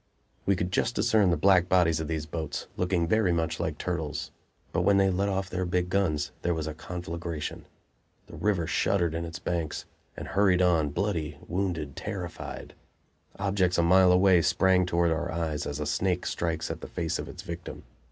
We could just discern the black bodies of these boats, looking very much like turtles. But when they let off their big guns there was a conflagration. The river shuddered in its banks, and hurried on, bloody, wounded, terrified! Objects a mile away sprang toward our eyes as a snake strikes at the face of its victim.